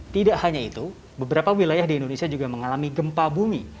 tidak hanya itu beberapa wilayah di indonesia juga mengalami gempa bumi